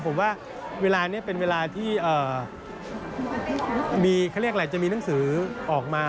ผมว่าเวลานี้เป็นเวลาที่จะมีหนังสือออกมา